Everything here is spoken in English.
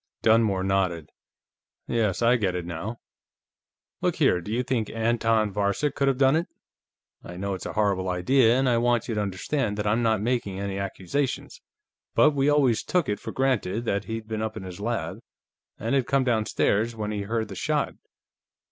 Dunmore nodded. "Yes, I get it, now. Look here, do you think Anton Varcek could have done it? I know it's a horrible idea, and I want you to understand that I'm not making any accusations, but we always took it for granted that he'd been up in his lab, and had come downstairs when he heard the shot.